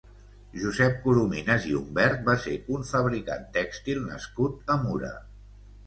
Josep Corominas i Humbert va ser un fabricant tèxtil nascut a Mura.